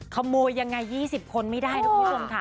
ขโมยยังไง๒๐คนไม่ได้นะคุณผู้ชมค่ะ